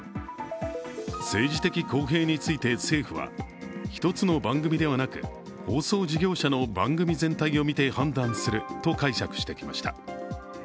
政治的公平について政府は一つの番組ではなく、放送事業者番組全体を見て解釈するとしてきました。